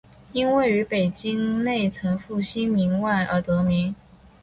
因位于北京内城复兴门外而得名。